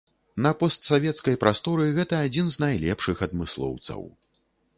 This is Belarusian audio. Па постсавецкай прасторы гэта адзін з найлепшых адмыслоўцаў.